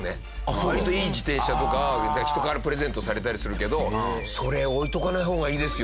割といい自転車とか人からプレゼントされたりするけど「それ置いとかない方がいいですよ」